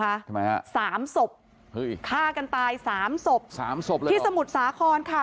ทำไมฮะ๓ศพฮึ้ยฆ่ากันตาย๓ศพ๓ศพที่สมุทรสาครค่ะ